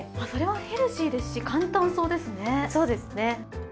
それはヘルシーですし、簡単そうですね。